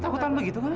takut takut begitu kan